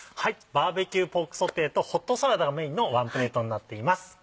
「バーベキューポークソテー」とホットサラダがメインのワンプレートになっています。